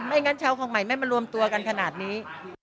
งั้นชาวของใหม่ไม่มารวมตัวกันขนาดนี้